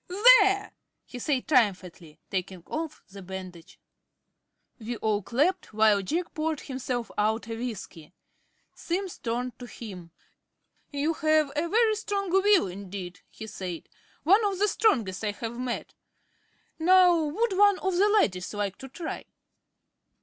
"There!" he said triumphantly, taking off the bandage. We all clapped, while Jack poured himself out a whisky. Simms turned to him. "You have a very strong will indeed," he said, "one of the strongest I have met. Now, would one of the ladies like to try?"